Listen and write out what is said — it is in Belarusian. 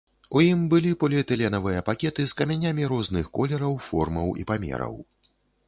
У ім былі поліэтыленавыя пакеты з камянямі розных колераў, формаў і памераў.